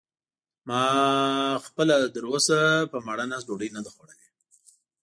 ما خپله تراوسه په ماړه نس ډوډۍ نه ده خوړلې.